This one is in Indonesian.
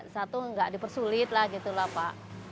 satu nggak dipersulit lah gitu lah pak